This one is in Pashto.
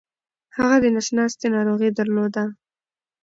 هغه دنس ناستې ناروغې درلوده